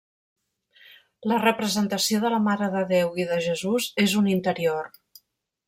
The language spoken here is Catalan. La representació de la Mare de Déu i de Jesús és un interior.